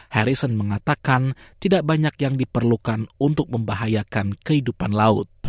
harrison mengatakan tidak banyak yang diperlukan untuk membahayakan kehidupan laut